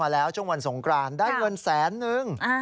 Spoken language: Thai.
แล้วช่วงวันสงกรานได้เงินแสนนึง